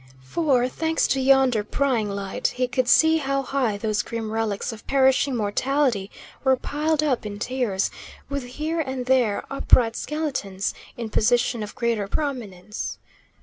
For, thanks to yonder prying light, he could see how high those grim relics of perishing mortality were piled up in tiers, with here and there upright skeletons in position of greater prominence.